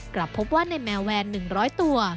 กลับพบว่าในแมวแวน๑๐๐ตัว